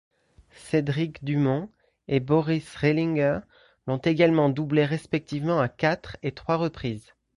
Cédric Dumond et Boris Rehlinger l'ont également doublés respectivement à quatre et trois reprises.